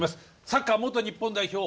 サッカー元日本代表